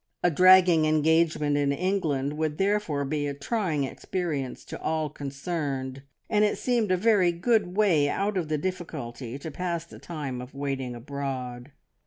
A dragging engagement in England would therefore be a trying experience to all concerned, and it seemed a very good way out of the difficulty to pass the time of waiting abroad.